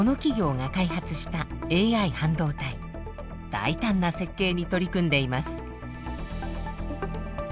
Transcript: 大胆な設計に取り組んでいます。